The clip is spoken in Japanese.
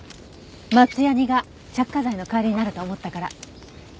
松やにが着火剤の代わりになると思ったから。